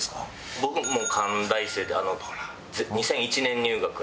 僕も関大生で２００１年入学なんで。